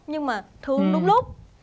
nhưng mà thương đúng lúc